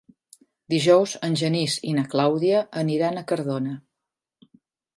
Dijous en Genís i na Clàudia aniran a Cardona.